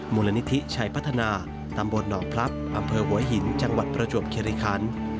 มูลนิธิชัยพัฒนาตำบลหนองพลับอำเภอหัวหินจังหวัดประจวบคิริคัน